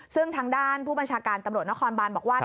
ซึ่งทางด้านผู้บัญชาการตำรวจนครบานบอกว่า